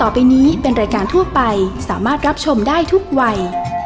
โปรดติดตามตอนต่อไป